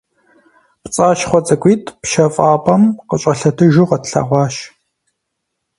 ПцӀащхъуэ цӀыкӀуитӏ пщэфӀапӀэм къыщӀэлъэтыжу къэтлъэгъуащ.